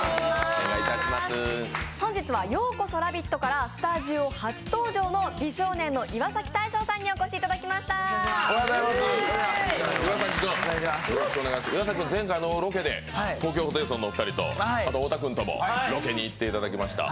本日は「＃ようこそラヴィット！」からスタジオ初登場の美少年の岩崎大昇さんにお越しいただきました。